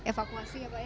evakuasi ya pak ya